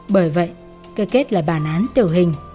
bởi vậy cơ kết là bản án tiểu hình